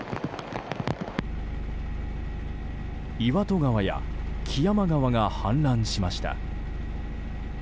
岩戸川や木山川が氾濫しました。